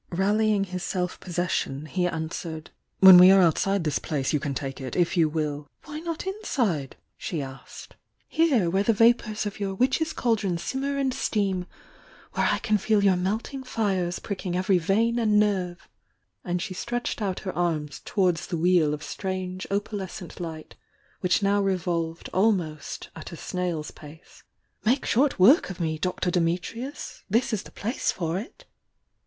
Rallying his self possession he answered: \M 11 5 ' f 284 THE YOUNG DIANA "When we are outside this place you can take it, if you will ",, "Why not mside?" she asked. "Here, where the vapours of your witches' cauldron simmer and steam— where I can feel your melting fires pricking every vein and nerve!" and she stretched out her arms towards the Wheel of strange opalescent light which now revolved almost at a snail's pace. "Make short work of me, Dr. Dimitrius!— this is the place for it!"